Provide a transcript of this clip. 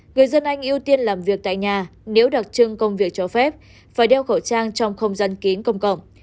người dân anh ưu tiên làm việc tại nhà nếu đặc trưng công việc cho phép phải đeo khẩu trang trong không gian kín công cộng